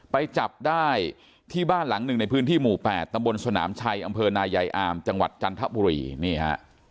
ไปจับได้ที่บ้านหลังหนึ่งในพื้นที่หมู่๘ตำบลสนามชัยอำเภอนายายอามจังหวัดจันทบุรีนี่ฮะ